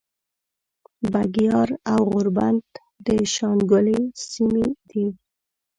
بګیاړ او غوربند د شانګلې سیمې دي